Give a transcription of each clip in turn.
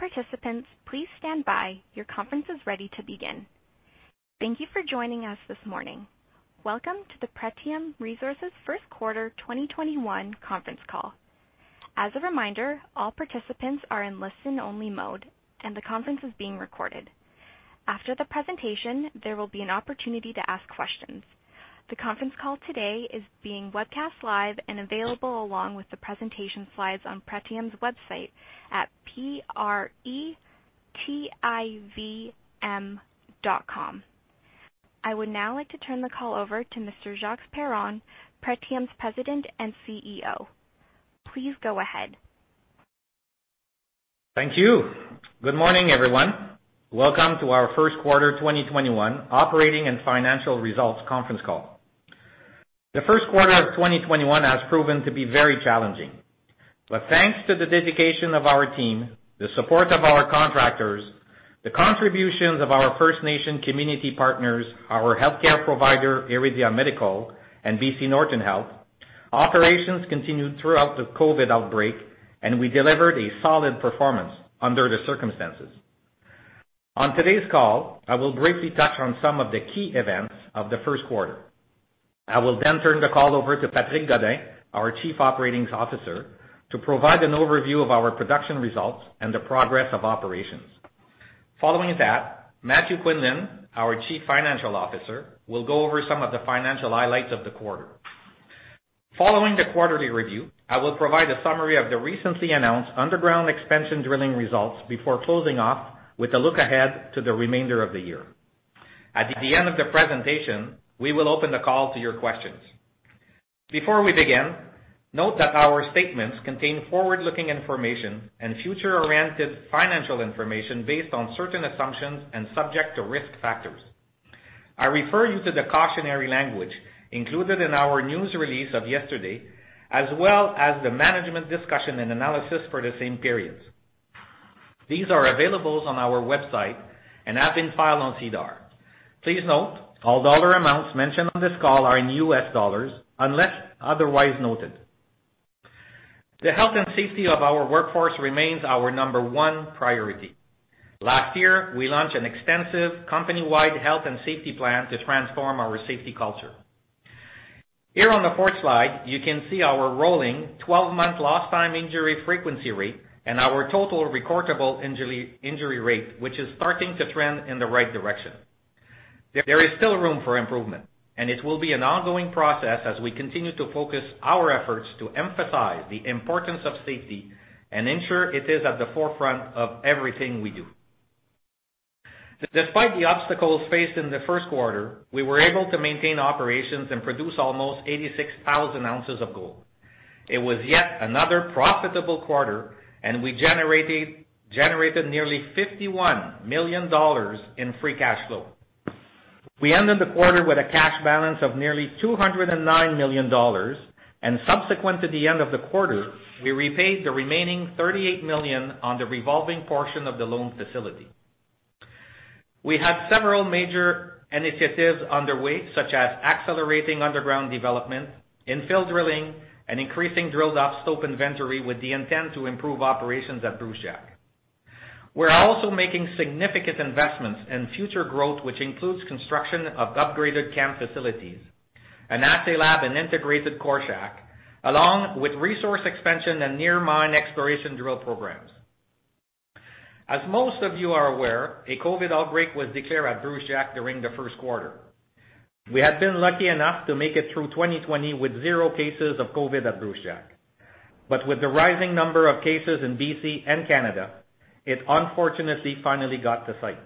Thank you for joining us this morning. Welcome to the Pretium Resources First Quarter 2021 conference call. As a reminder, all participants are in listen-only mode, and the conference is being recorded. After the presentation, there will be an opportunity to ask questions. The conference call today is being webcast live and available along with the presentation slides on Pretium's website at pretivm.com. I would now like to turn the call over to Mr. Jacques Perron, Pretium's President and CEO. Please go ahead. Thank you. Good morning, everyone. Welcome to our first quarter 2021 operating and financial results conference call. The first quarter of 2021 has proven to be very challenging. Thanks to the dedication of our team, the support of our contractors, the contributions of our First Nation community partners, our healthcare provider, Iridia Medical and BC Northern Health, operations continued throughout the COVID outbreak, and we delivered a solid performance under the circumstances. On today's call, I will briefly touch on some of the key events of the first quarter. I will turn the call over to Patrick Godin, our Chief Operating Officer, to provide an overview of our production results and the progress of operations. Following that, Matthew Quinlan, our Chief Financial Officer, will go over some of the financial highlights of the quarter. Following the quarterly review, I will provide a summary of the recently announced underground expansion drilling results before closing off with a look ahead to the remainder of the year. At the end of the presentation, we will open the call to your questions. Before we begin, note that our statements contain forward-looking information and future-oriented financial information based on certain assumptions and subject to risk factors. I refer you to the cautionary language included in our news release of yesterday, as well as the Management Discussion and Analysis for the same period. These are available on our website and have been filed on SEDAR. Please note, all dollar amounts mentioned on this call are in US dollars unless otherwise noted. The health and safety of our workforce remains our number one priority. Last year, we launched an extensive company-wide health and safety plan to transform our safety culture. Here on the 4th slide, you can see our rolling 12-month lost time injury frequency rate and our total recordable injury rate, which is starting to trend in the right direction. There is still room for improvement, and it will be an ongoing process as we continue to focus our efforts to emphasize the importance of safety and ensure it is at the forefront of everything we do. Despite the obstacles faced in the first quarter, we were able to maintain operations and produce almost 86,000 ounces of gold. It was yet another profitable quarter, and we generated nearly $51 million in free cash flow. We ended the quarter with a cash balance of nearly $209 million, and subsequent to the end of the quarter, we repaid the remaining $38 million on the revolving portion of the loan facility. We had several major initiatives underway, such as accelerating underground development, infill drilling, and increasing drilled off slope inventory with the intent to improve operations at Brucejack. We are also making significant investments in future growth, which includes construction of upgraded camp facilities, an assay lab, and integrated core shack, along with resource expansion and near mine exploration drill programs. As most of you are aware, a COVID outbreak was declared at Brucejack during the first quarter. We had been lucky enough to make it through 2020 with zero cases of COVID at Brucejack. With the rising number of cases in BC and Canada, it unfortunately finally got to site.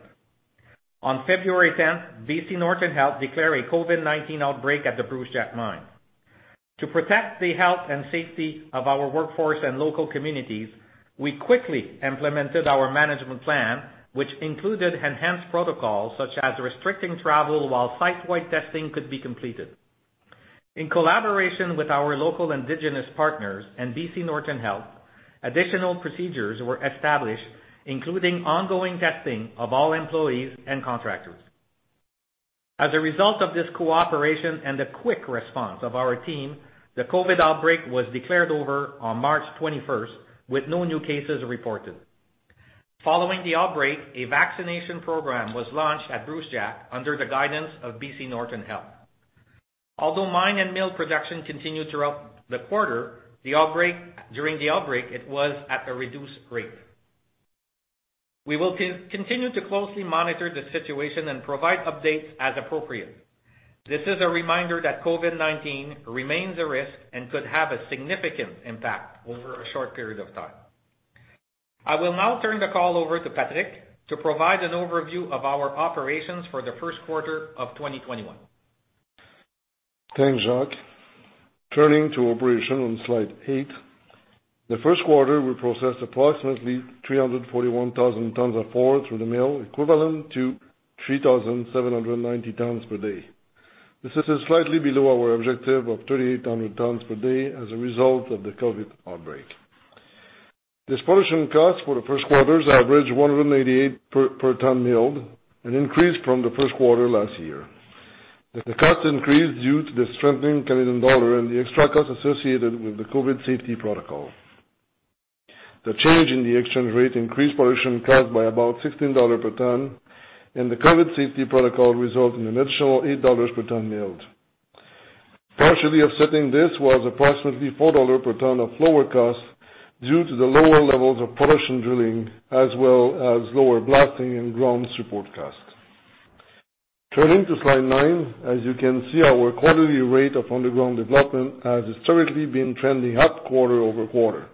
On February 10th, BC Northern Health declared a COVID-19 outbreak at the Brucejack mine. To protect the health and safety of our workforce and local communities, we quickly implemented our management plan, which included enhanced protocols such as restricting travel while site-wide testing could be completed. In collaboration with our local Indigenous partners and BC Northern Health, additional procedures were established, including ongoing testing of all employees and contractors. As a result of this cooperation and the quick response of our team, the COVID outbreak was declared over on March 21st, with no new cases reported. Following the outbreak, a vaccination program was launched at Brucejack under the guidance of BC Northern Health. Although mine and mill production continued throughout the quarter, during the outbreak, it was at a reduced rate. We will continue to closely monitor the situation and provide updates as appropriate. This is a reminder that COVID-19 remains a risk and could have a significant impact over a short period of time. I will now turn the call over to Patrick to provide an overview of our operations for the first quarter of 2021. Thanks, Jacques. Turning to operation on slide 8. The first quarter, we processed approximately 341,000 tons of ore through the mill, equivalent to 3,790 tons per day. This is slightly below our objective of 3,800 tons per day as a result of the COVID outbreak. Disposition costs for the first quarter averaged $188 per ton milled, an increase from the first quarter last year. The costs increased due to the strengthening Canadian dollar and the extra costs associated with the COVID safety protocol. The change in the exchange rate increased production costs by about $16 per ton, and the COVID safety protocol resulted in an additional $8 per ton milled. Partially offsetting this was approximately $4 per ton of lower cost due to the lower levels of production drilling, as well as lower blasting and ground support costs. Turning to slide 9, as you can see, our quarterly rate of underground development has historically been trending up quarter-over-quarter.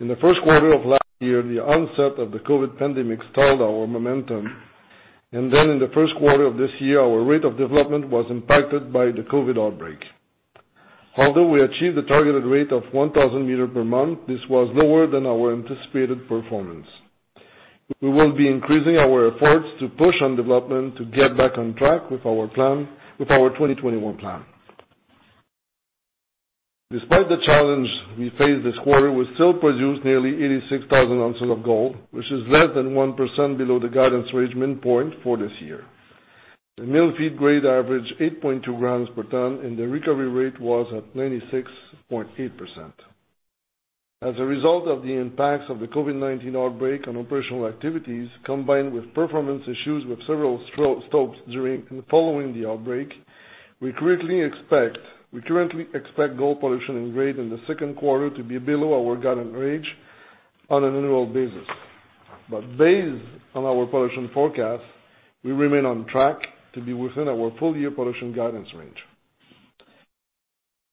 In the first quarter of last year, the onset of the COVID pandemic stalled our momentum, and then in the first quarter of this year, our rate of development was impacted by the COVID outbreak. Although we achieved the targeted rate of 1,000 meter per month, this was lower than our anticipated performance. We will be increasing our efforts to push on development to get back on track with our 2021 plan. Despite the challenge we faced this quarter, we still produced nearly 86,000 ounces of gold, which is less than 1% below the guidance range midpoint for this year. The mill feed grade average 8.2 grams per ton, and the recovery rate was at 96.8%. As a result of the impacts of the COVID-19 outbreak on operational activities, combined with performance issues with several stopes during and following the outbreak, we currently expect gold production in grade in the second quarter to be below our guidance range on an annual basis. Based on our production forecast, we remain on track to be within our full-year production guidance range.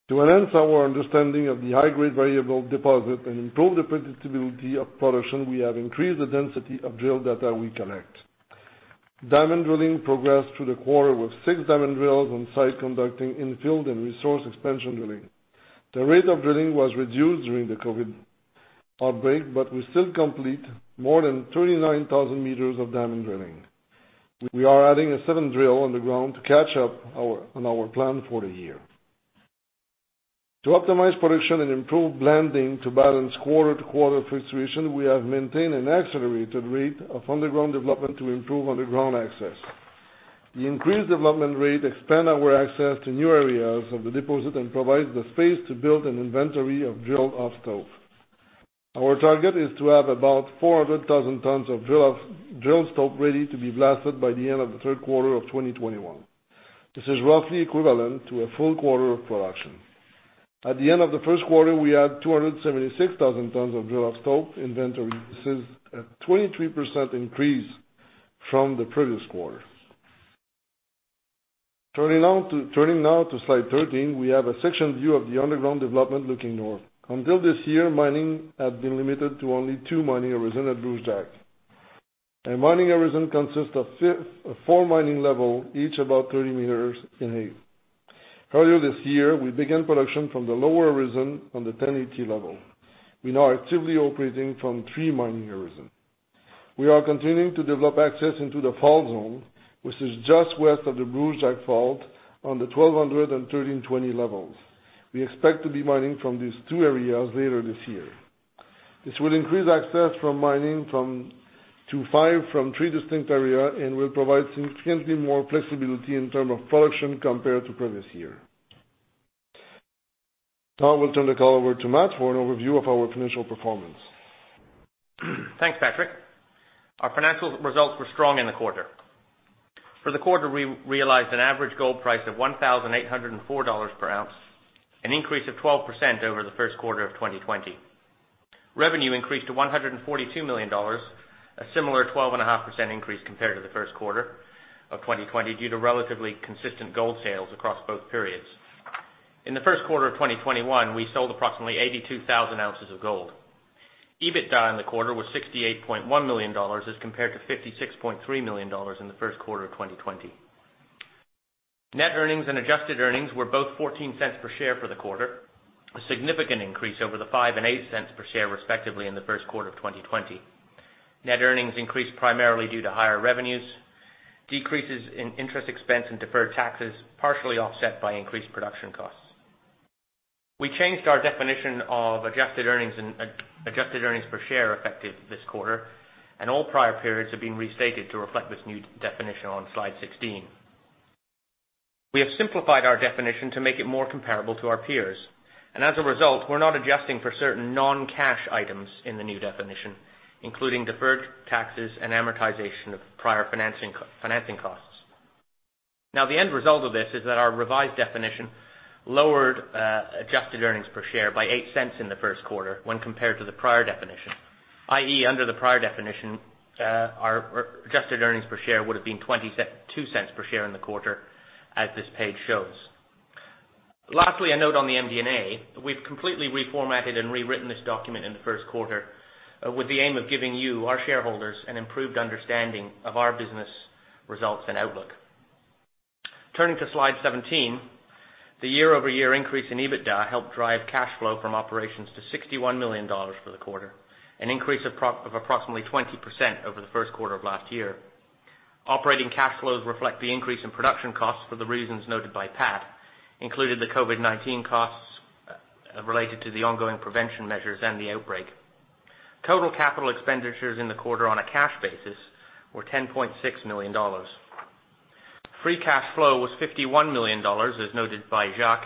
To enhance our understanding of the high-grade variable deposit and improve the predictability of production, we have increased the density of drill data we collect. Diamond drilling progressed through the quarter with six diamond drills on site conducting infill and resource expansion drilling. The rate of drilling was reduced during the COVID outbreak, but we still complete more than 39,000 meters of diamond drilling. We are adding a seventh drill underground to catch up on our plan for the year. To optimize production and improve blending to balance quarter-to-quarter fluctuation, we have maintained an accelerated rate of underground development to improve underground access. The increased development rate expands our access to new areas of the deposit and provides the space to build an inventory of drilled off stope. Our target is to have about 400,000 tons of drilled stope ready to be blasted by the end of the third quarter of 2021. This is roughly equivalent to a full quarter of production. At the end of the first quarter, we had 276,000 tons of drilled stope inventory. This is a 23% increase from the previous quarter. Turning now to slide 13, we have a section view of the underground development looking north. Until this year, mining had been limited to only two mining horizons at Brucejack. A mining horizon consists of four mining level, each about 30 meters in height. Earlier this year, we began production from the lower horizon on the 1,080 level. We now are actively operating from three mining horizons. We are continuing to develop access into the fault zone, which is just west of the Brucejack Fault on the 1,200 and 1,320 levels. We expect to be mining from these two areas later this year. This will increase access from mining to five from three distinct areas and will provide significantly more flexibility in terms of production compared to previous year. I will turn the call over to Matt for an overview of our financial performance. Thanks, Patrick. Our financial results were strong in the quarter. For the quarter, we realized an average gold price of $1,804 per ounce, an increase of 12% over the first quarter of 2020. Revenue increased to $142 million, a similar 12.5% increase compared to the first quarter of 2020, due to relatively consistent gold sales across both periods. In the first quarter of 2021, we sold approximately 82,000 ounces of gold. EBITDA in the quarter was $68.1 million as compared to $56.3 million in the first quarter of 2020. Net earnings and adjusted earnings were both $0.14 per share for the quarter, a significant increase over the $0.05 and $0.08 per share, respectively, in the first quarter of 2020. Net earnings increased primarily due to higher revenues, decreases in interest expense and deferred taxes, partially offset by increased production costs. We changed our definition of adjusted earnings per share effective this quarter. All prior periods have been restated to reflect this new definition on slide 16. We have simplified our definition to make it more comparable to our peers. As a result, we're not adjusting for certain non-cash items in the new definition, including deferred taxes and amortization of prior financing costs. The end result of this is that our revised definition lowered adjusted earnings per share by $0.08 in the first quarter when compared to the prior definition. I.e., under the prior definition, our adjusted earnings per share would've been $0.22 per share in the quarter, as this page shows. Lastly, a note on the MD&A. We've completely reformatted and rewritten this document in the first quarter with the aim of giving you, our shareholders, an improved understanding of our business results and outlook. Turning to slide 17, the year-over-year increase in EBITDA helped drive cash flow from operations to $61 million for the quarter, an increase of approximately 20% over the first quarter of last year. Operating cash flows reflect the increase in production costs for the reasons noted by Pat, including the COVID-19 costs related to the ongoing prevention measures and the outbreak. Total capital expenditures in the quarter on a cash basis were $10.6 million. Free cash flow was $51 million, as noted by Jacques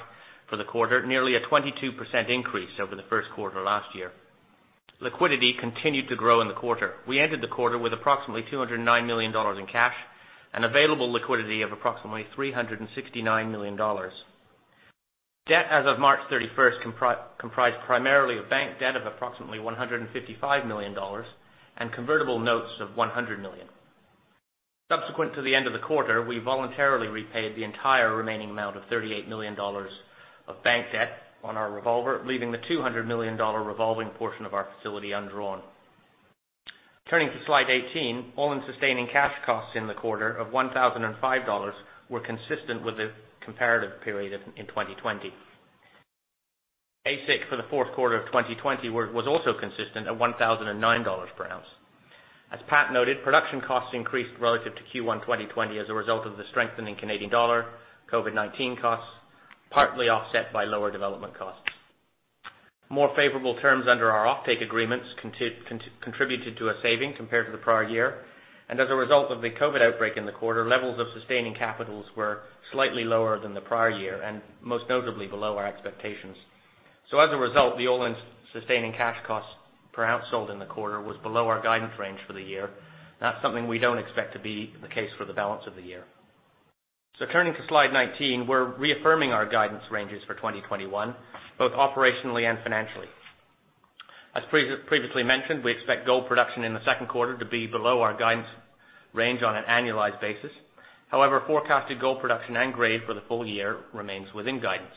for the quarter, nearly a 22% increase over the first quarter last year. Liquidity continued to grow in the quarter. We ended the quarter with approximately $209 million in cash and available liquidity of approximately $369 million. Debt as of March 31st comprised primarily of bank debt of approximately $155 million and convertible notes of $100 million. Subsequent to the end of the quarter, we voluntarily repaid the entire remaining amount of $38 million of bank debt on our revolver, leaving the $200 million revolving portion of our facility undrawn. Turning to slide 18, all-in sustaining cash costs in the quarter of $1,005 were consistent with the comparative period in 2020. AISC for the fourth quarter of 2020 was also consistent at $1,009 per ounce. As Pat noted, production costs increased relative to Q1 2020 as a result of the strengthening Canadian dollar, COVID-19 costs, partly offset by lower development costs. More favorable terms under our offtake agreements contributed to a saving compared to the prior year, and as a result of the COVID outbreak in the quarter, levels of sustaining capitals were slightly lower than the prior year, and most notably below our expectations. As a result, the all-in sustaining cash costs per ounce sold in the quarter was below our guidance range for the year. That is something we don't expect to be the case for the balance of the year. Turning to slide 19, we are reaffirming our guidance ranges for 2021, both operationally and financially. As previously mentioned, we expect gold production in the second quarter to be below our guidance range on an annualized basis. However, forecasted gold production and grade for the full year remains within guidance.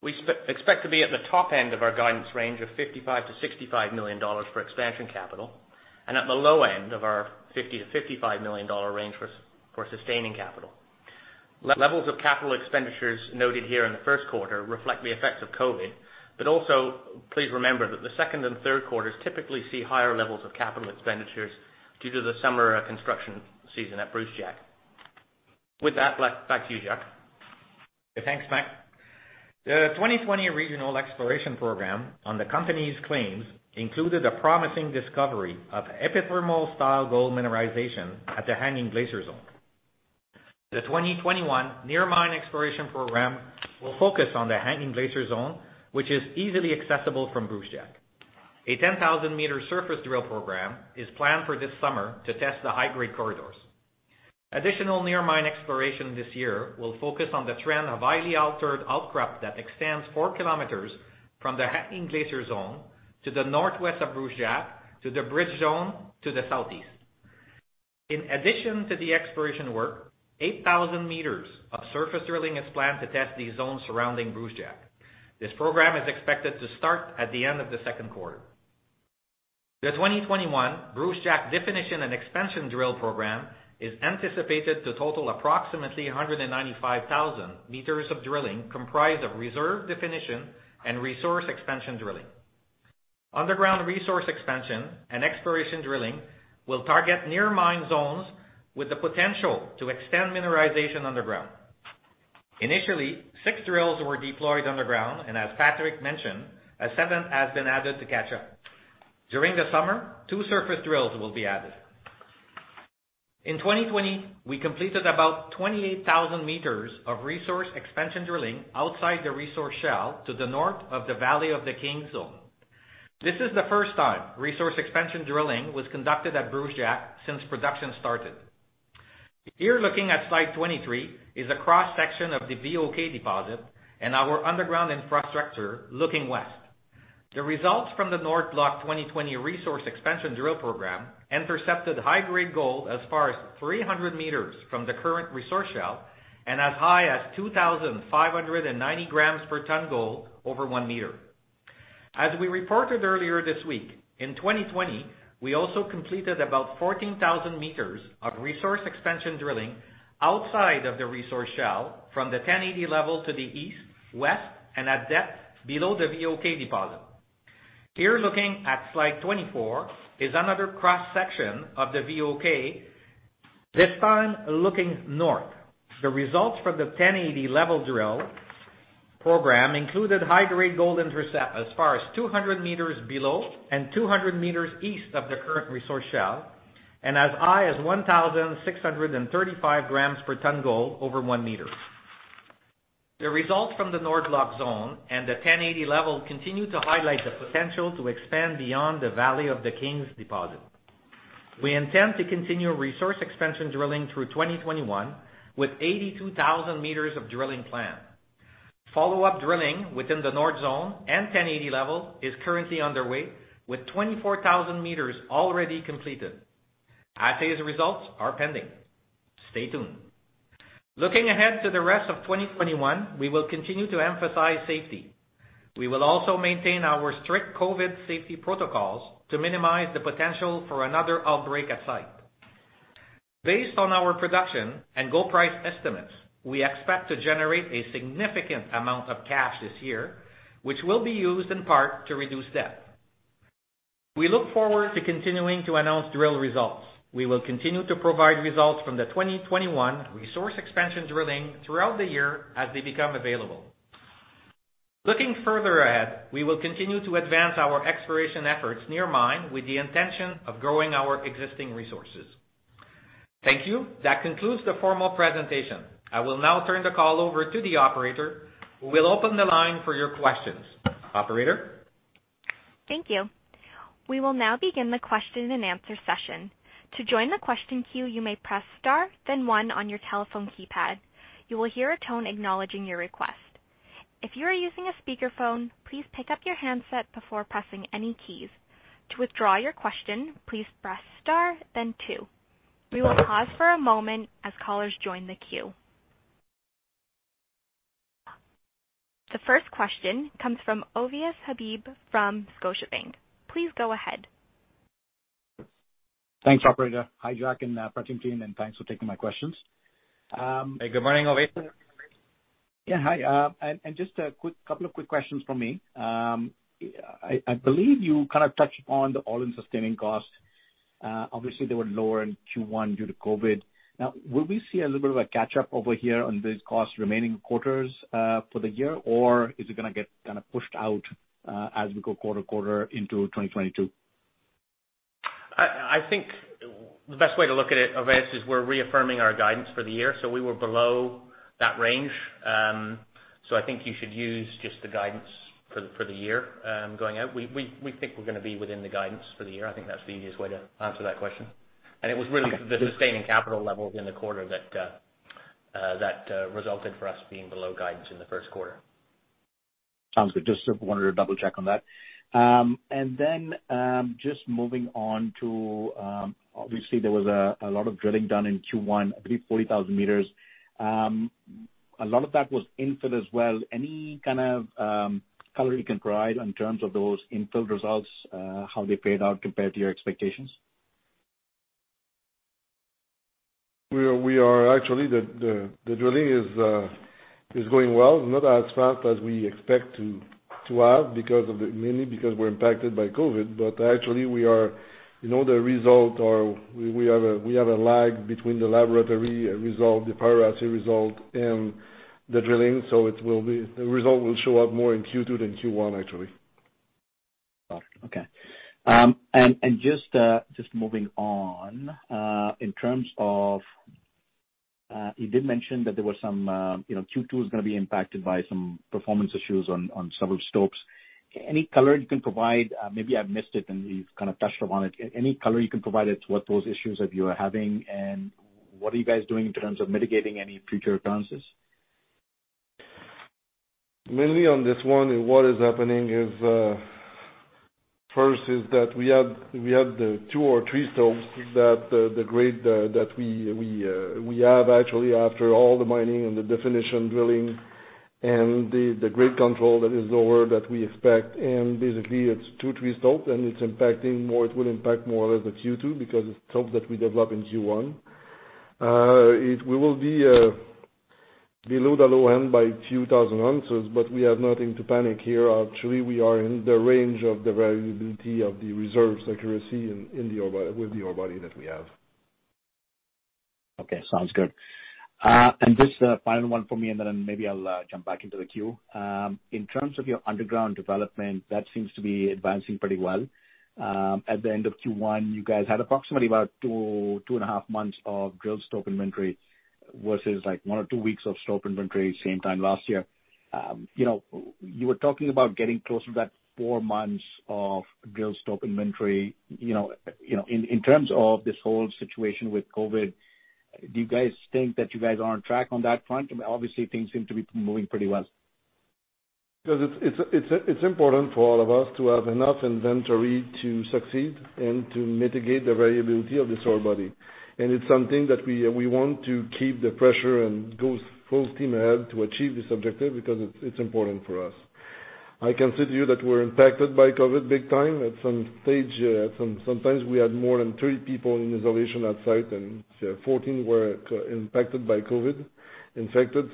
We expect to be at the top end of our guidance range of $55 million-$65 million for expansion capital, and at the low end of our $50 million-$55 million range for sustaining capital. Levels of capital expenditures noted here in the first quarter reflect the effects of COVID, but also, please remember that the second and third quarters typically see higher levels of capital expenditures due to the summer construction season at Brucejack. With that, back to you, Jacques. Thanks, Matt. The 2020 regional exploration program on the company's claims included a promising discovery of epithermal style gold mineralization at the Hanging Glacier Zone. The 2021 near mine exploration program will focus on the Hanging Glacier Zone, which is easily accessible from Brucejack. A 10,000-meter surface drill program is planned for this summer to test the high-grade corridors. Additional near mine exploration this year will focus on the trend of highly altered outcrop that extends 4km from the Hanging Glacier Zone to the northwest of Brucejack, to the Bridge Zone to the southeast. In addition to the exploration work, 8,000 meters of surface drilling is planned to test the zone surrounding Brucejack. This program is expected to start at the end of the second quarter. The 2021 Brucejack definition and expansion drill program is anticipated to total approximately 195,000 meters of drilling, comprised of reserve definition and resource expansion drilling. Underground resource expansion and exploration drilling will target near mine zones with the potential to extend mineralization underground. Initially, six drills were deployed underground, and as Patrick mentioned, a seventh has been added to catch up. During the summer, two surface drills will be added. In 2020, we completed about 28,000 meters of resource expansion drilling outside the resource shell to the north of the Valley of the Kings zone. This is the first time resource expansion drilling was conducted at Brucejack since production started. Here looking at slide 23 is a cross-section of the VOK deposit and our underground infrastructure looking west. The results from the North Block 2020 resource expansion drill program intercepted high-grade gold as far as 300 meters from the current resource shell and as high as 2,590 grams per ton gold over one meter. As we reported earlier this week, in 2020, we also completed about 14,000 meters of resource expansion drilling outside of the resource shell from the 1080 level to the east, west, and at depth below the VOK deposit. Here looking at slide 24 is another cross-section of the VOK, this time looking north. The results from the 1080 level drill program included high-grade gold intercept as far as 200 meters below and 200 meters east of the current resource shell, and as high as 1,635 grams per ton gold over one meter. The results from the North Block zone and the 1080 level continue to highlight the potential to expand beyond the Valley of the Kings deposit. We intend to continue resource expansion drilling through 2021 with 82,000 meters of drilling planned. Follow-up drilling within the North Zone and 1080 level is currently underway with 24,000 meters already completed. Assay results are pending. Stay tuned. Looking ahead to the rest of 2021, we will continue to emphasize safety. We will also maintain our strict COVID safety protocols to minimize the potential for another outbreak at site. Based on our production and gold price estimates, we expect to generate a significant amount of cash this year, which will be used in part to reduce debt. We look forward to continuing to announce drill results. We will continue to provide results from the 2021 resource expansion drilling throughout the year as they become available. Looking further ahead, we will continue to advance our exploration efforts near mine with the intention of growing our existing resources. Thank you. That concludes the formal presentation. I will now turn the call over to the operator, who will open the line for your questions. Operator? Thank you. We will now begin the question-and-answer session. To join the question queue, you may press star, then one on your telephone keypad. You will hear a tone acknowledging your request. If you are using a speakerphone, please pick up your handset before pressing any keys. To withdraw your question, please press star, then two. We will pause for a moment as callers join the queue. The first question comes from Ovais Habib from Scotiabank. Please go ahead. Thanks, operator. Hi, Jacques and Pretium team, and thanks for taking my questions. Hey, good morning, Ovais. Yeah, hi. Just a couple of quick questions from me. I believe you kind of touched upon the all-in sustaining cost. Obviously, they were lower in Q1 due to COVID. Will we see a little bit of a catch-up over here on these costs remaining quarters for the year, or is it going to get kind of pushed out as we go quarter-to-quarter into 2022? I think the best way to look at it, Ovais, is we're reaffirming our guidance for the year, so we were below that range. I think you should use just the guidance for the year going out. We think we're going to be within the guidance for the year. I think that's the easiest way to answer that question. It was really the sustaining capital levels in the quarter that resulted for us being below guidance in the first quarter. Sounds good. Just wanted to double-check on that. Just moving on to, obviously, there was a lot of drilling done in Q1, I believe 40,000 meters. A lot of that was infill as well. Any kind of color you can provide in terms of those infill results, how they paid out compared to your expectations? Actually, the drilling is going well, not as fast as we expect to have, mainly because we're impacted by COVID. Actually, the result, we have a lag between the laboratory result, the assay result and the drilling. The result will show up more in Q2 than Q1, actually. Got it. Okay. Just moving on, you did mention that Q2 is going to be impacted by some performance issues on several stopes. Maybe I've missed it, and you've kind of touched upon it. Any color you can provide as to what those issues that you are having, and what are you guys doing in terms of mitigating any future occurrences? Mainly on this one, what is happening is, first, is that we have the two or three stopes that the grade that we have actually after all the mining and the definition drilling and the grade control that is lower that we expect, and basically it's two, three stope, and it will impact more or less at Q2 because it's stope that we develop in Q1. We will be below the low end by 2,000 ounces, but we have nothing to panic here. Actually, we are in the range of the variability of the reserves accuracy with the ore body that we have. Okay, sounds good. Just a final one for me, and then maybe I'll jump back into the queue. In terms of your underground development, that seems to be advancing pretty well. At the end of Q1, you guys had approximately about 2.5 months of drilled stope inventory versus one or two weeks of stope inventory same time last year. You were talking about getting closer to that four months of drilled stope inventory. In terms of this whole situation with COVID, do you guys think that you guys are on track on that front? Obviously, things seem to be moving pretty well. Because it's important for all of us to have enough inventory to succeed and to mitigate the variability of this ore body. It's something that we want to keep the pressure and go full steam ahead to achieve this objective because it's important for us. I can say to you that we're impacted by COVID big time. At some stage, sometimes we had more than 30 people in isolation at site, and 14 were impacted by COVID, infected.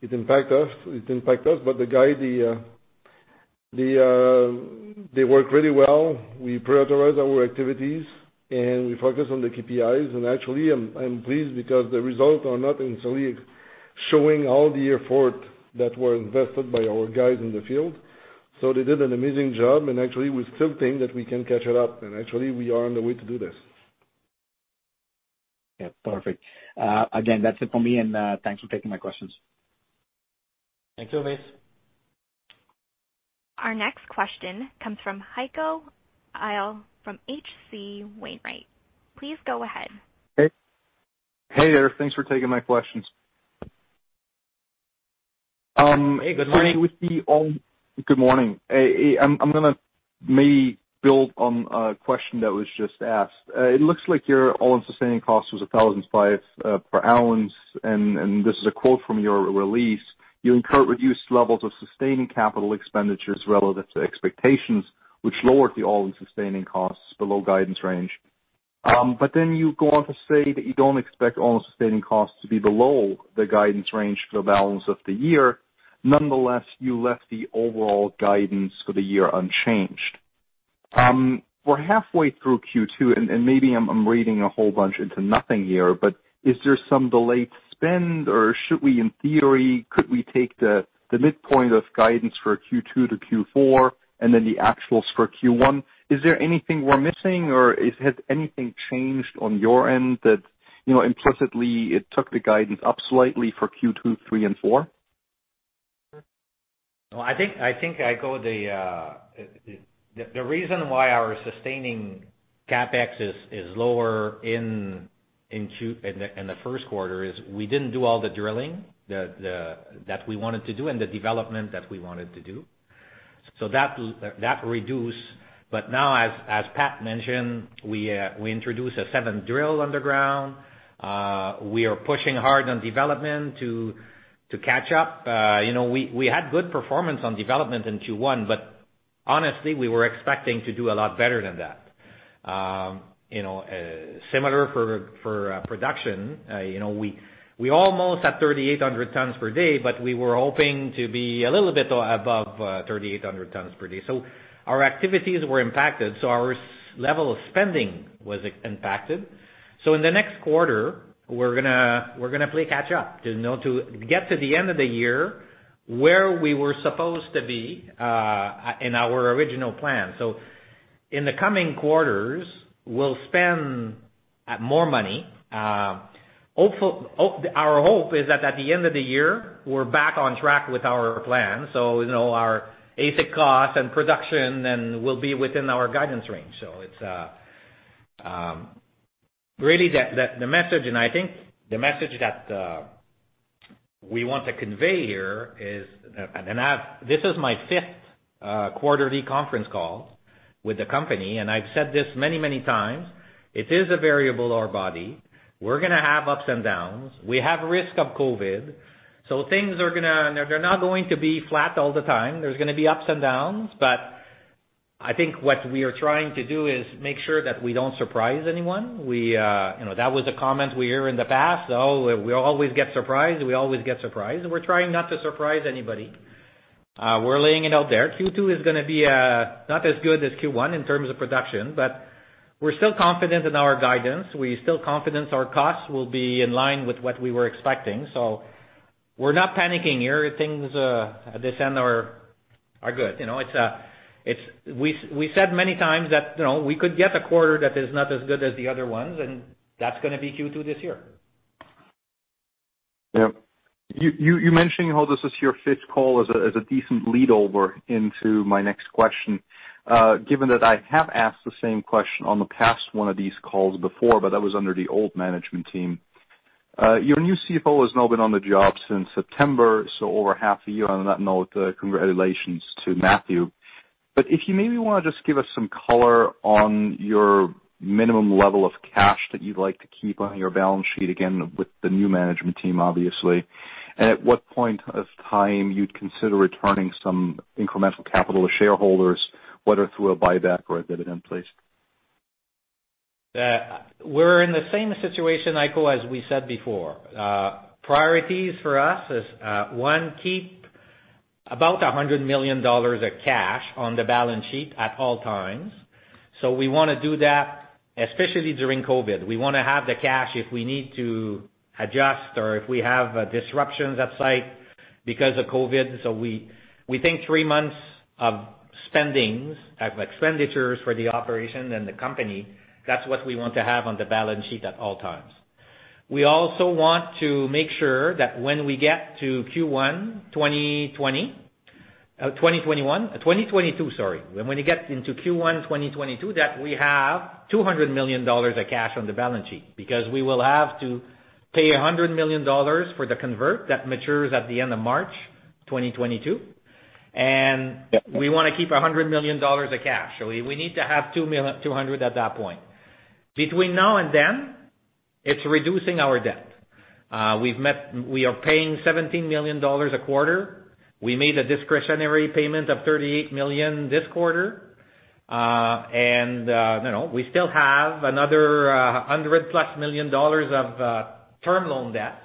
It impact us. The guys, they work really well. We prioritize our activities, and we focus on the KPIs. Actually, I'm pleased because the results are not instantly showing all the effort that were invested by our guys in the field. They did an amazing job, and actually, we still think that we can catch it up. Actually, we are on the way to do this. Yeah. Perfect. Again, that's it for me, and thanks for taking my questions. Thanks, Ovais. Our next question comes from Heiko Ihle from H.C. Wainwright. Please go ahead. Hey there. Thanks for taking my questions. Hey, good morning. Good morning. I'm going to maybe build on a question that was just asked. It looks like your all-in sustaining cost was $1,005 per ounce, and this is a quote from your release. "You incurred reduced levels of sustaining capital expenditures relative to expectations, which lowered the all-in sustaining costs below guidance range." Then you go on to say that you don't expect all sustaining costs to be below the guidance range for the balance of the year. Nonetheless, you left the overall guidance for the year unchanged. We're halfway through Q2, and maybe I'm reading a whole bunch into nothing here, but is there some delayed spend, or should we in theory, could we take the midpoint of guidance for Q2 to Q4 and then the actuals for Q1? Is there anything we're missing, or has anything changed on your end that, implicitly it took the guidance up slightly for Q2, Q3 and Q4? The reason why our sustaining CapEx is lower in the first quarter is we didn't do all the drilling that we wanted to do and the development that we wanted to do. That reduced. Now as Pat mentioned, we introduced a seventh drill underground. We are pushing hard on development to catch up. We had good performance on development in Q1, but honestly, we were expecting to do a lot better than that. Similar for production. We almost had 3,800 tons per day, but we were hoping to be a little bit above 3,800 tons per day. Our activities were impacted, so our level of spending was impacted. In the next quarter, we're going to play catch up to get to the end of the year where we were supposed to be in our original plan. In the coming quarters, we'll spend more money. Our hope is that at the end of the year, we're back on track with our plan. Our AISC cost and production, we'll be within our guidance range. Really the message, and I think the message that we want to convey here is this is my 5th quarterly conference call with the company, and I've said this many, many times. It is a variable ore body. We're going to have ups and downs. We have risk of COVID. They're not going to be flat all the time. There's going to be ups and downs. I think what we are trying to do is make sure that we don't surprise anyone. That was a comment we hear in the past: "Oh, we always get surprised. We always get surprised. We're trying not to surprise anybody. We're laying it out there. Q2 is going to be not as good as Q1 in terms of production, but we're still confident in our guidance. We still confident our costs will be in line with what we were expecting. We're not panicking here. Things at this end are good. We said many times that we could get a quarter that is not as good as the other ones, and that's going to be Q2 this year. Yep. You mentioning how this is your fifth call is a decent lead over into my next question. Given that I have asked the same question on the past one of these calls before, but that was under the old management team. Your new CFO has now been on the job since September, so over half a year. On that note, congratulations to Matthew. If you maybe want to just give us some color on your minimum level of cash that you'd like to keep on your balance sheet, again, with the new management team, obviously. At what point of time you'd consider returning some incremental capital to shareholders, whether through a buyback or a dividend, please? We're in the same situation, Heiko, as we said before. Priorities for us is, one, keep about $100 million of cash on the balance sheet at all times. We want to do that, especially during COVID. We want to have the cash if we need to adjust or if we have disruptions at site because of COVID. We think three months of expenditures for the operation and the company, that's what we want to have on the balance sheet at all times. We also want to make sure that when we get to Q1 2022, sorry. When we get into Q1 2022, that we have $200 million of cash on the balance sheet, because we will have to pay $100 million for the convert that matures at the end of March 2022, and we want to keep $100 million of cash. We need to have $200 at that point. Between now and then, it's reducing our debt. We are paying $17 million a quarter. We made a discretionary payment of $38 million this quarter. We still have another $100+ million of term loan debt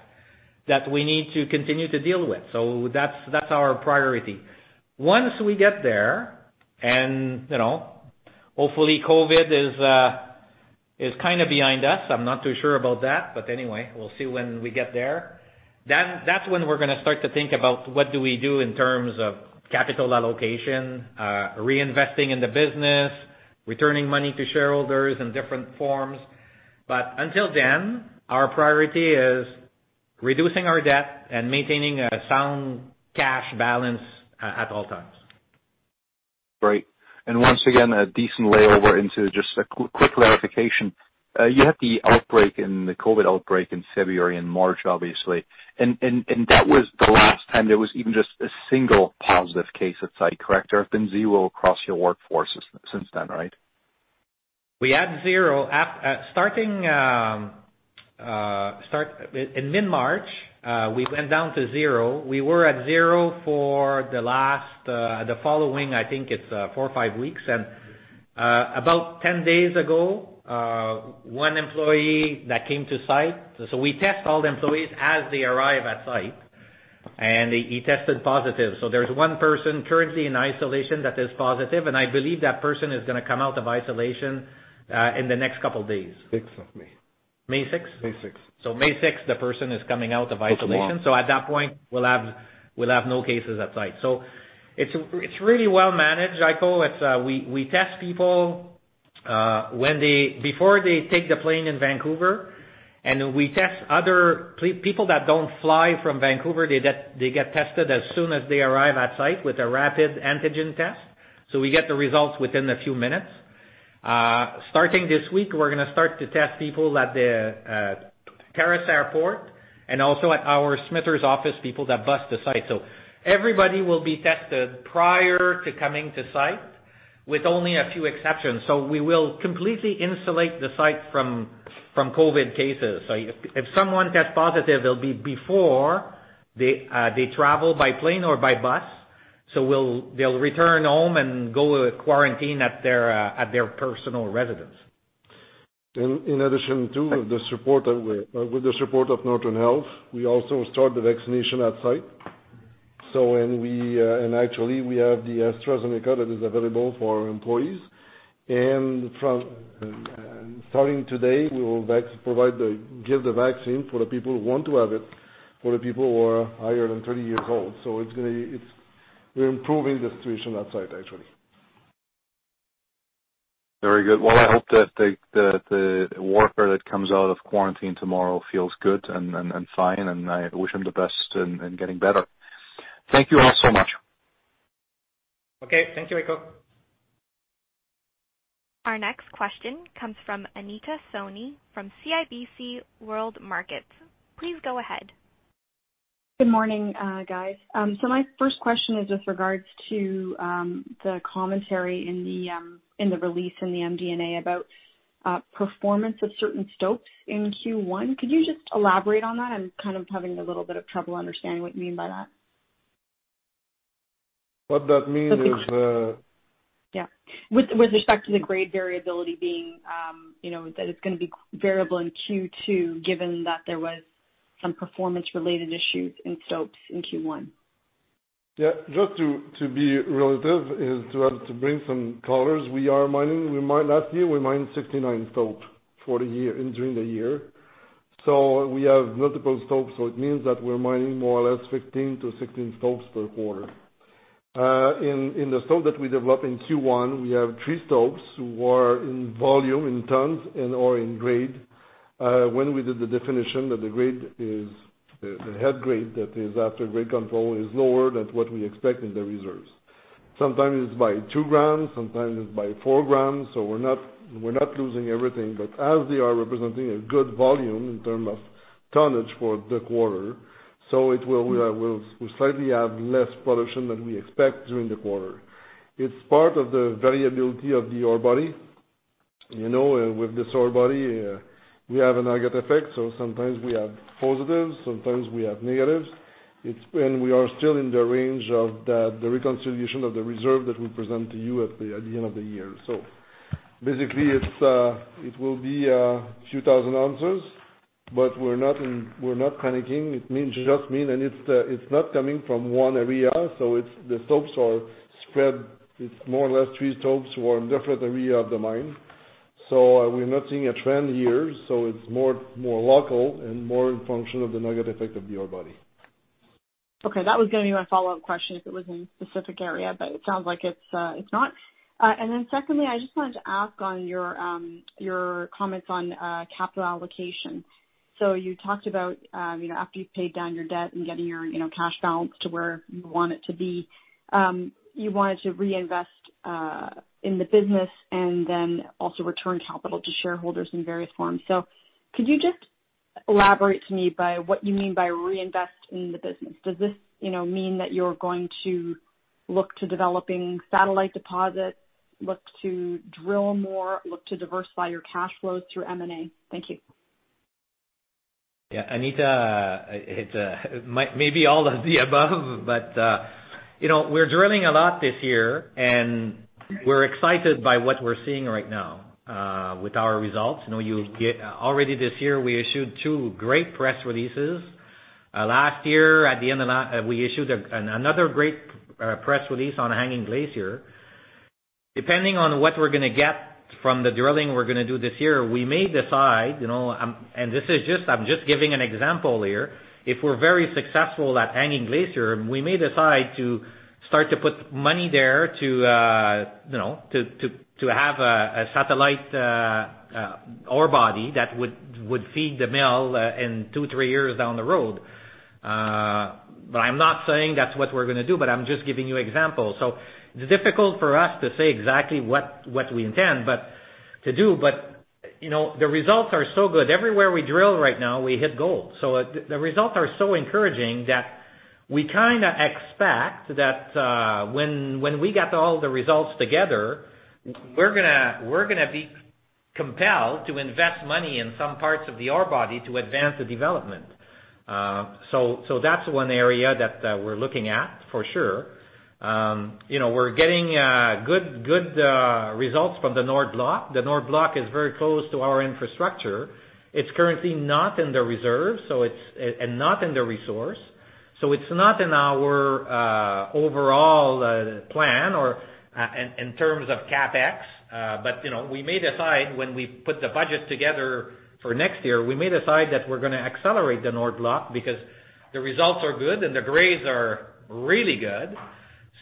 that we need to continue to deal with. That's our priority. Once we get there and hopefully COVID is kind of behind us. I'm not too sure about that, but anyway, we'll see when we get there. That's when we're going to start to think about what do we do in terms of capital allocation, reinvesting in the business, returning money to shareholders in different forms. Until then, our priority is reducing our debt and maintaining a sound cash balance at all times. Great. Once again, a decent layover into just a quick clarification. You had the COVID outbreak in February and March, obviously. That was the last time there was even just a single positive case at site, correct? There have been zero across your workforce since then, right? We had zero. Start in mid-March, we went down to zero. We were at zero for the last, the following, I think it's four or five weeks. About 10 days ago, one employee that came to site. We test all the employees as they arrive at site, and he tested positive. There's one person currently in isolation that is positive, and I believe that person is going to come out of isolation, in the next couple of days. 6th of May. May 6th? May 6th. May 6th, the person is coming out of isolation. Tomorrow. At that point, we'll have no cases at site. It's really well managed, Heiko. We test people, before they take the plane in Vancouver, and we test other people that don't fly from Vancouver, they get tested as soon as they arrive at site with a rapid antigen test, so we get the results within a few minutes. Starting this week, we're going to start to test people at the Terrace Airport and also at our Smithers office, people that bus to site. Everybody will be tested prior to coming to site, with only a few exceptions. We will completely insulate the site from COVID cases. If someone tests positive, it'll be before they travel by plane or by bus. They'll return home and go quarantine at their personal residence. In addition to with the support of Northern Health, we also start the vaccination at site. Actually, we have the AstraZeneca that is available for our employees. Starting today, we will give the vaccine for the people who want to have it, for the people who are higher than 30 years old. We're improving the situation at site, actually. Very good. Well, I hope that the worker that comes out of quarantine tomorrow feels good and fine, and I wish him the best in getting better. Thank you all so much. Okay. Thank you, Heiko. Our next question comes from Anita Soni from CIBC World Markets. Please go ahead. Good morning, guys. My first question is with regards to the commentary in the release in the MD&A about performance of certain stopes in Q1. Could you just elaborate on that? I'm kind of having a little bit of trouble understanding what you mean by that. What that means- Yeah. With respect to the grade variability being, that it's going to be variable in Q2 given that there was some performance-related issues in stopes in Q1. Yeah. Just to be relative is to have to bring some colors. Last year, we mined 69 stope during the year. We have multiple stopes, so it means that we're mining more or less 15 to 16 stopes per quarter. In the stope that we developed in Q1, we have three stopes who are in volume, in tons and/or in grade. When we did the definition that the head grade, that is after grade control, is lower than what we expect in the reserves. Sometimes it's by 2 grams, sometimes it's by 4 grams. We're not losing everything. As they are representing a good volume in term of tonnage for the quarter, so we'll slightly have less production than we expect during the quarter. It's part of the variability of the ore body. With this ore body, we have a nugget effect. Sometimes we have positives, sometimes we have negatives. We are still in the range of the reconciliation of the reserve that we present to you at the end of the year. Basically, it will be a few thousand ounces, but we're not panicking. It's not coming from one area, the stopes are spread. It's more or less three stopes who are in different area of the mine. We're not seeing a trend here. It's more local and more in function of the nugget effect of the ore body. Okay. That was going to be my follow-up question if it was in specific area, but it sounds like it's not. Then secondly, I just wanted to ask on your comments on capital allocation. You talked about, after you've paid down your debt and getting your cash balance to where you want it to be, you wanted to reinvest in the business and then also return capital to shareholders in various forms. Could you just elaborate to me by what you mean by reinvest in the business? Does this mean that you're going to look to developing satellite deposits, look to drill more, look to diversify your cash flows through M&A? Thank you. Yeah, Anita, it's maybe all of the above, but we're drilling a lot this year, and we're excited by what we're seeing right now, with our results. Already this year, we issued two great press releases. Last year, we issued another great press release on Hanging Glacier. Depending on what we're going to get from the drilling we're going to do this year, we may decide, and I'm just giving an example here. If we're very successful at Hanging Glacier, we may decide to start to put money there to have a satellite ore body that would feed the mill in two, three years down the road. I'm not saying that's what we're going to do, but I'm just giving you example. It's difficult for us to say exactly what we intend to do, but the results are so good. Everywhere we drill right now, we hit gold. The results are so encouraging that we kind of expect that when we get all the results together, we're going to be compelled to invest money in some parts of the ore body to advance the development. We're getting good results from the North Block. The North Block is very close to our infrastructure. It's currently not in the reserve, and not in the resource. It's not in our overall plan or in terms of CapEx. We may decide when we put the budget together for next year, we may decide that we're going to accelerate the North Block because the results are good and the grades are really good.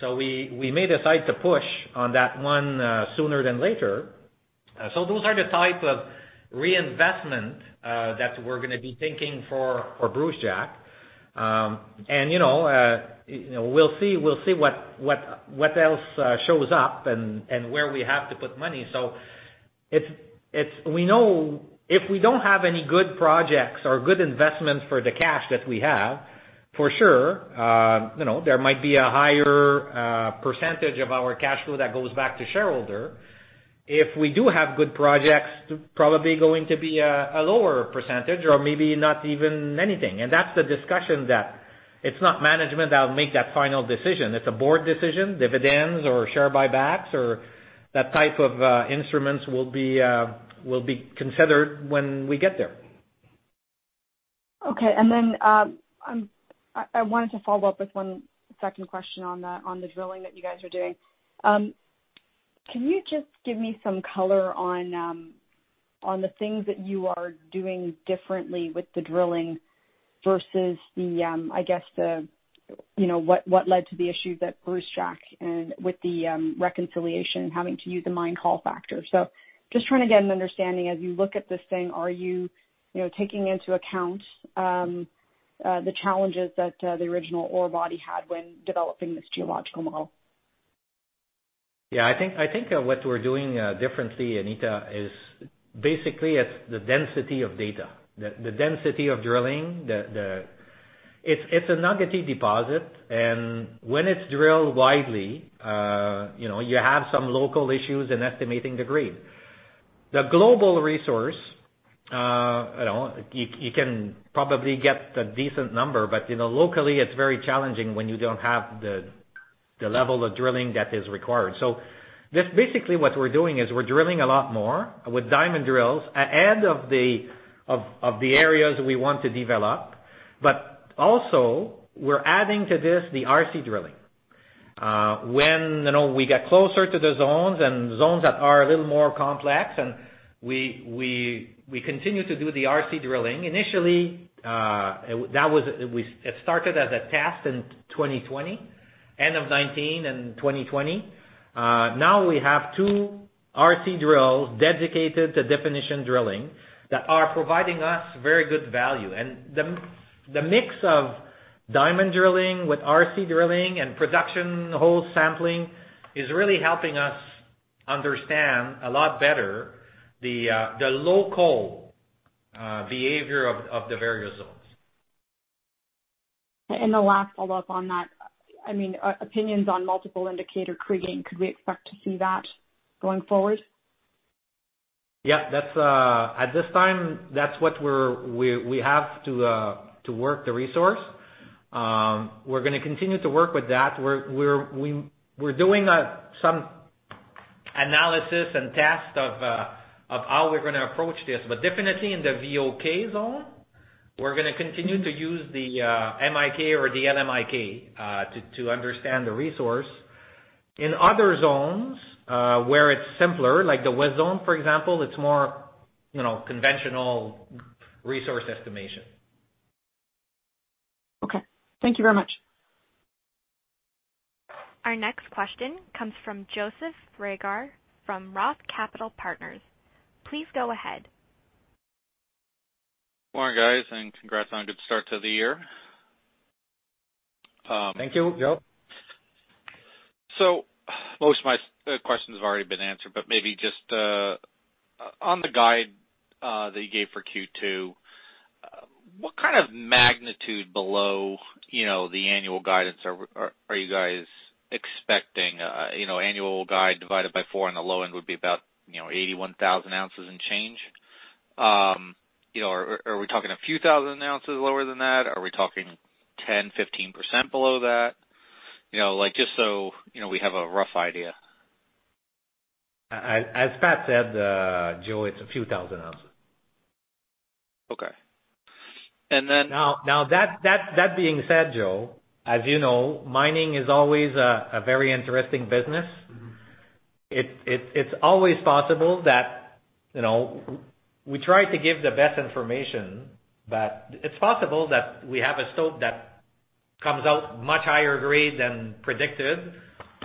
We may decide to push on that one sooner than later. Those are the types of reinvestment that we're going to be thinking for Brucejack. We'll see what else shows up and where we have to put money. If we don't have any good projects or good investments for the cash that we have, for sure there might be a higher percentage of our cash flow that goes back to shareholder. If we do have good projects, probably going to be a lower percentage or maybe not even anything. That's the discussion that it's not management that will make that final decision. It's a board decision, dividends or share buybacks or that type of instruments will be considered when we get there. Okay. Then, I wanted to follow up with one 2nd question on the drilling that you guys are doing. Can you just give me some color on the things that you are doing differently with the drilling versus, I guess, what led to the issue that Brucejack and with the reconciliation, having to use the mining recovery factor. Just trying to get an understanding as you look at this thing, are you taking into account the challenges that the original ore body had when developing this geological model? I think what we're doing differently, Anita, is basically it's the density of data, the density of drilling. It's a nuggety deposit, and when it's drilled widely, you have some local issues in estimating the grade. The global resource, you can probably get a decent number, but locally it's very challenging when you don't have the level of drilling that is required. Basically what we're doing is we're drilling a lot more with diamond drills ahead of the areas we want to develop. Also we're adding to this, the RC drilling. When we get closer to the zones and zones that are a little more complex and we continue to do the RC drilling. Initially, it started as a test in 2020, end of 2019 and 2020. Now we have two RC drills dedicated to definition drilling that are providing us very good value. The mix of diamond drilling with RC drilling and production hole sampling is really helping us understand a lot better the local behavior of the various zones. The last follow-up on that, opinions on multiple indicator kriging, could we expect to see that going forward? Yeah. At this time, that's what we have to work the resource. We're going to continue to work with that. We're doing some analysis and test of how we're going to approach this, but definitely in the VOK zone, we're going to continue to use the MIK or the LMIK, to understand the resource. In other zones, where it's simpler, like the West Zone, for example, it's more conventional resource estimation. Okay. Thank you very much. Our next question comes from Joseph Reagor from Roth Capital Partners. Please go ahead. Morning, guys, and congrats on a good start to the year. Thank you, Joe. Most of my questions have already been answered, but maybe just on the guide that you gave for Q2, what kind of magnitude below the annual guidance are you guys expecting? Annual guide divided by four on the low end would be about 81,000 ounces and change. Are we talking a few thousand ounces lower than that? Are we talking 10%-15% below that? Just so we have a rough idea. As Pat said, Joe, it's a few 1,000 ounces. Okay. Now that being said, Joe, as you know, mining is always a very interesting business. It's always possible that, we try to give the best information, but it's possible that we have a stope that comes out much higher grade than predicted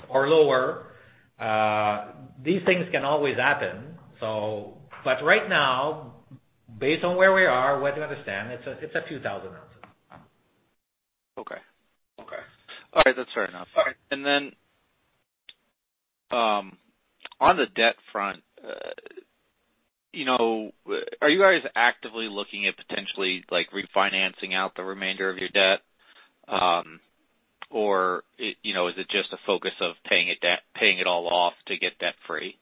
or lower. These things can always happen. Right now, based on where we are, what you understand, it's a few thousand ounces. Okay. Okay. All right. That's fair enough. All right. On the debt front, are you guys actively looking at potentially refinancing out the remainder of your debt? Or is it just a focus of paying it all off to get debt-free?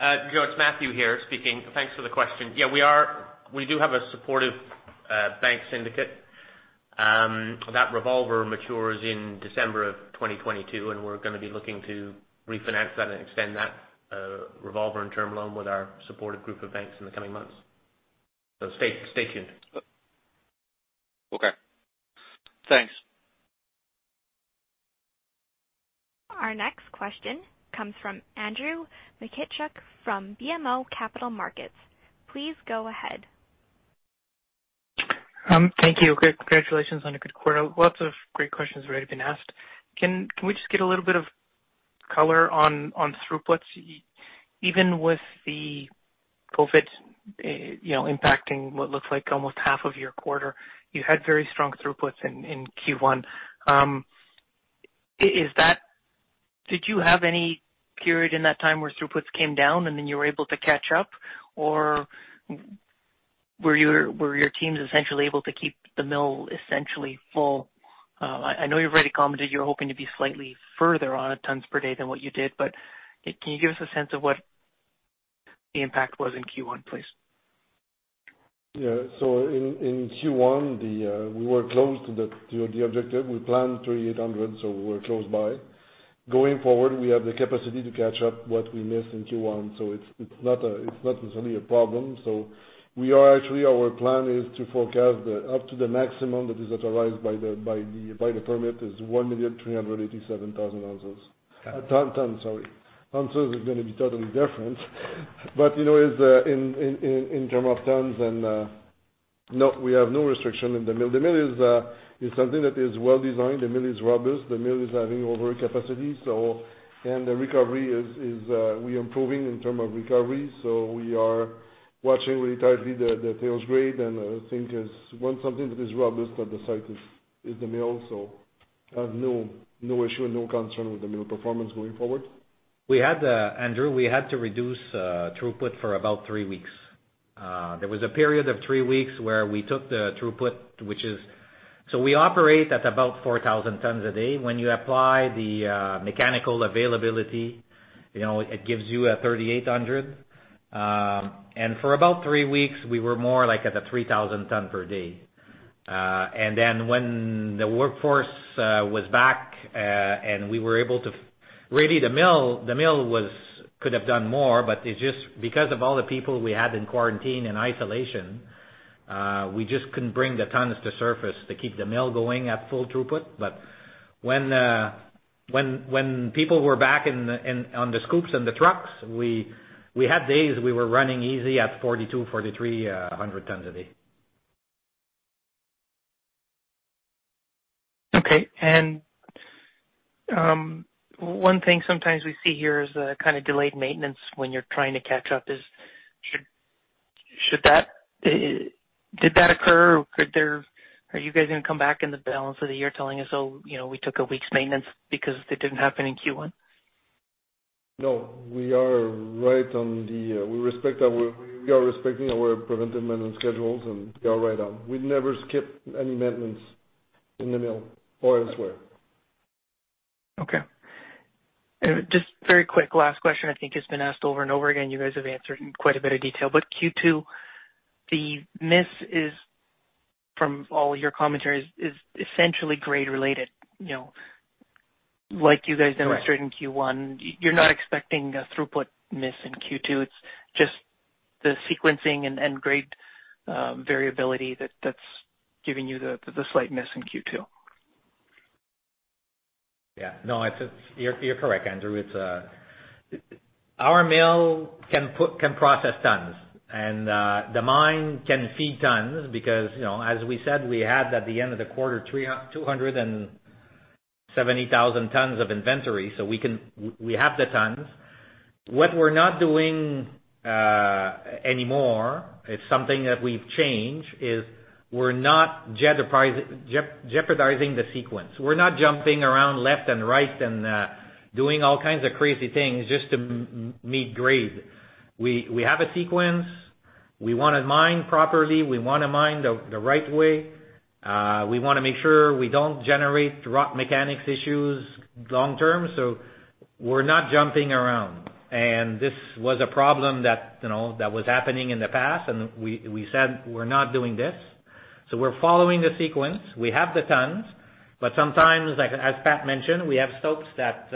Joseph, it's Matthew here speaking. Thanks for the question. Yeah, we do have a supportive bank syndicate. That revolver matures in December 2022, and we're going to be looking to refinance that and extend that revolver and term loan with our supportive group of banks in the coming months. Stay tuned. Okay. Thanks. Our next question comes from Andrew Mikitchook from BMO Capital Markets. Please go ahead. Thank you. Congratulations on a good quarter. Lots of great questions have already been asked. Can we just get a little bit of color on throughputs? Even with the COVID impacting what looks like almost half of your quarter, you had very strong throughputs in Q1. Did you have any period in that time where throughputs came down, and then you were able to catch up? Or were your teams essentially able to keep the mill essentially full? I know you've already commented you're hoping to be slightly further on at tons per day than what you did, but can you give us a sense of what the impact was in Q1, please? Yeah. In Q1, we were close to the objective. We planned 3,800, we were close by. Going forward, we have the capacity to catch up what we missed in Q1. It's not necessarily a problem. Actually, our plan is to forecast up to the maximum that is authorized by the permit is 1,387,000 ounces. Tons. Sorry. Ounces are going to be totally different. In terms of tons, we have no restriction in the mill. The mill is something that is well designed. The mill is robust. The mill is having over capacity. The recovery, we're improving in terms of recovery. We are watching really tightly the tails grade and I think one something that is robust at the site is the mill, I have no issue and no concern with the mill performance going forward. Andrew, we had to reduce throughput for about three weeks. There was a period of three weeks where we took the throughput, which is we operate at about 4,000 tons a day. When you apply the mechanical availability, it gives you a 3,800. For about three weeks, we were more like at the 3,000 ton per day. When the workforce was back and we were able to Really, the mill could have done more, but because of all the people we had in quarantine and isolation, we just couldn't bring the tons to surface to keep the mill going at full throughput. When people were back on the scoops and the trucks, we had days we were running easy at 4,200, 4,300 tons a day. Okay. One thing sometimes we see here is a kind of delayed maintenance when you're trying to catch up is, did that occur? Are you guys going to come back in the balance of the year telling us, "Oh, we took a week's maintenance because it didn't happen in Q1? No. We are respecting our preventive maintenance schedules, and we are right on. We never skip any maintenance in the mill or elsewhere. Okay. Just very quick last question, I think it's been asked over and over again, you guys have answered in quite a bit of detail, Q2, the miss is, from all your commentary, is essentially grade related. You guys demonstrated in Q1, you're not expecting a throughput miss in Q2. It's just the sequencing and grade variability that's giving you the slight miss in Q2. You're correct, Andrew. Our mill can process tons and the mine can feed tons because, as we said, we had at the end of the quarter, 270,000 tons of inventory. We have the tons. What we're not doing anymore, it's something that we've changed, is we're not jeopardizing the sequence. We're not jumping around left and right and doing all kinds of crazy things just to meet grade. We have a sequence. We want to mine properly. We want to mine the right way. We want to make sure we don't generate rock mechanics issues long term. We're not jumping around. This was a problem that was happening in the past, and we said we're not doing this. We're following the sequence. We have the tons, sometimes, as Pat mentioned, we have stopes that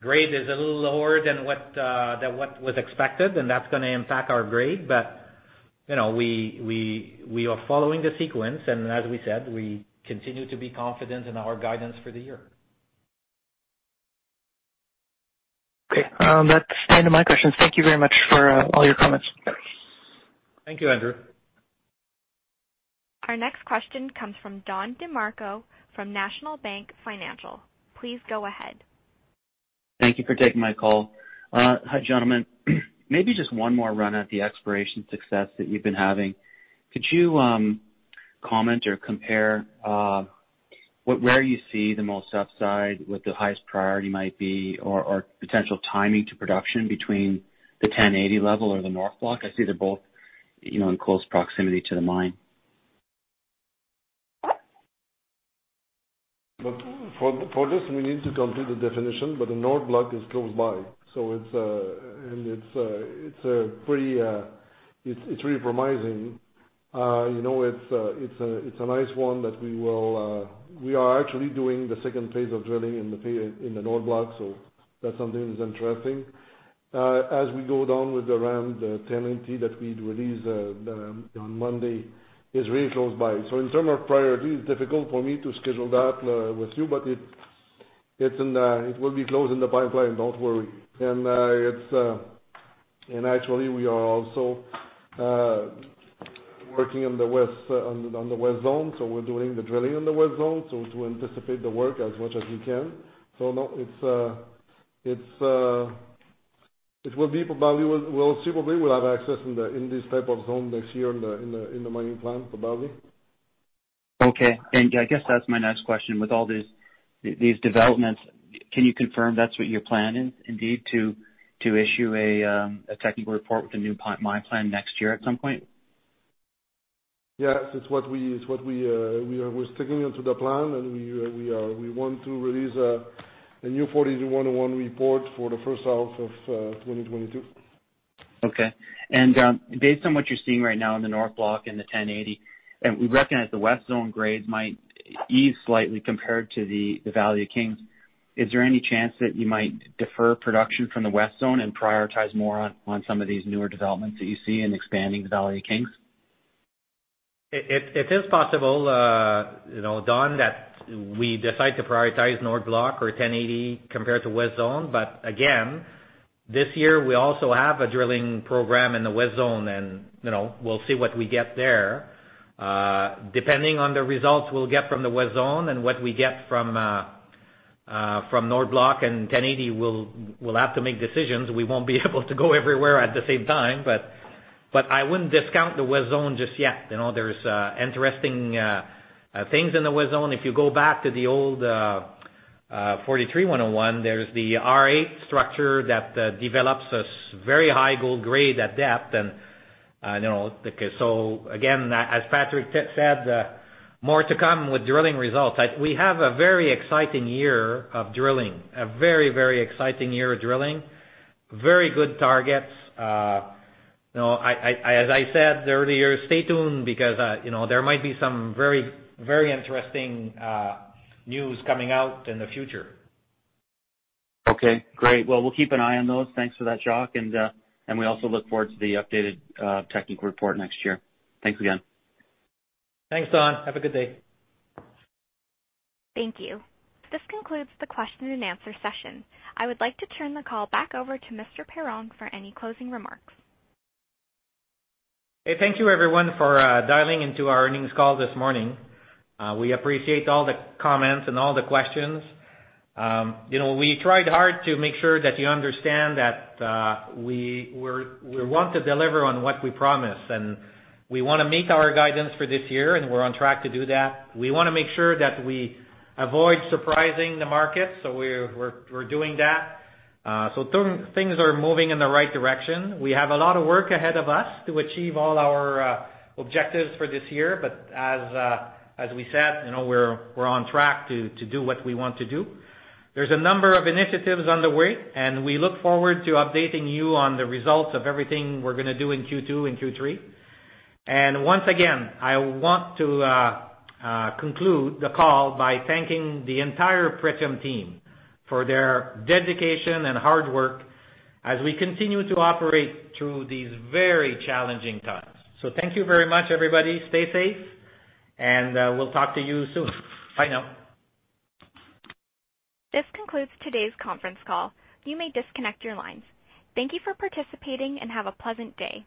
grade is a little lower than what was expected, and that's going to impact our grade. We are following the sequence, and as we said, we continue to be confident in our guidance for the year. Okay. That's the end of my questions. Thank you very much for all your comments. Thank you, Andrew. Our next question comes from Don DeMarco from National Bank Financial. Please go ahead. Thank you for taking my call. Hi, gentlemen. Just one more run at the exploration success that you've been having. Could you comment or compare where you see the most upside, what the highest priority might be, or potential timing to production between the 1080 level or the North Block? I see they're both in close proximity to the mine. For this, we need to complete the definition, but the North Block is close by. It's pretty promising. It's a nice one that We are actually doing the 2nd phase of drilling in the North Block, so that's something that's interesting. As we go down with around the 1,080 that we'd release on Monday, it's really close by. In terms of priority, it's difficult for me to schedule that with you, but it will be close in the pipeline, don't worry. Actually, we are also working on the West Zone, so we're doing the drilling in the West Zone, so to anticipate the work as much as we can. No, probably we'll have access in this type of zone this year in the mining plan, probably. Okay. I guess that's my next question. With all these developments, can you confirm that's what you're planning, indeed, to issue a technical report with a new mine plan next year at some point? It's what we're sticking to the plan, and we want to release a new 43-101 report for the 1st half of 2022. Okay. Based on what you're seeing right now in the North Block and the 1080, we recognize the West Zone grades might ease slightly compared to the Valley of Kings, is there any chance that you might defer production from the West Zone and prioritize more on some of these newer developments that you see in expanding the Valley of Kings? It is possible, Don, that we decide to prioritize North Block or 1080 compared to West Zone. Again, this year we also have a drilling program in the West Zone, and we'll see what we get there. Depending on the results we'll get from the West Zone and what we get from North Block and 1080, we'll have to make decisions. We won't be able to go everywhere at the same time. I wouldn't discount the West Zone just yet. There's interesting things in the West Zone. If you go back to the old 43-101, there's the R8 structure that develops a very high gold grade at depth. Again, as Patrick said, more to come with drilling results. We have a very exciting year of drilling. A very exciting year of drilling. Very good targets. As I said earlier, stay tuned because there might be some very interesting news coming out in the future. Okay, great. Well, we'll keep an eye on those. Thanks for that, Jacques, and we also look forward to the updated technical report next year. Thanks again. Thanks, Don. Have a good day. Thank you. This concludes the question-and-answer session. I would like to turn the call back over to Mr. Perron for any closing remarks. Hey, thank you, everyone, for dialing into our earnings call this morning. We appreciate all the comments and all the questions. We tried hard to make sure that you understand that we want to deliver on what we promise, and we want to make our guidance for this year, and we're on track to do that. We want to make sure that we avoid surprising the market, so we're doing that. Things are moving in the right direction. We have a lot of work ahead of us to achieve all our objectives for this year. As we said, we're on track to do what we want to do. There's a number of initiatives underway, and we look forward to updating you on the results of everything we're going to do in Q2 and Q3. Once again, I want to conclude the call by thanking the entire Pretium team for their dedication and hard work as we continue to operate through these very challenging times. Thank you very much, everybody. Stay safe, and we'll talk to you soon. Bye now. This concludes today's conference call. You may disconnect your lines. Thank you for participating, and have a pleasant day.